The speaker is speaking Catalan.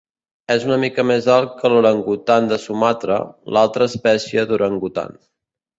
És una mica més alt que l'orangutan de Sumatra, l'altra espècie d'orangutan.